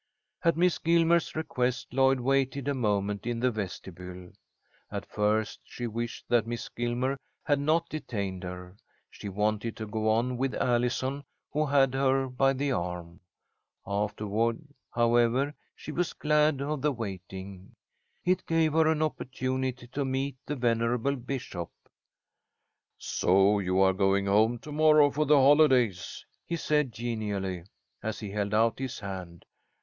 At Miss Gilmer's request, Lloyd waited a moment in the vestibule. At first she wished that Miss Gilmer had not detained her. She wanted to go on with Allison, who had her by the arm. Afterward, however, she was glad of the waiting. It gave her an opportunity to meet the venerable bishop. "So you are going home to morrow for the holidays," he said, genially, as he held out his hand.